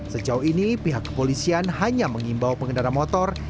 sejauh ini pihak kepolisian hanya mengimbau pengendara motor